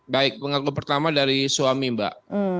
baik pengaku pertama dari suami mbak